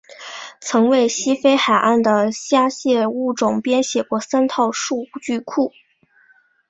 曾为西非海岸的虾蟹物种编写过三套数据库。